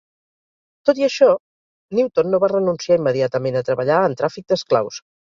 Tot i això, Newton no va renunciar immediatament a treballar en tràfic d'esclaus.